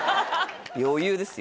余裕ですよ。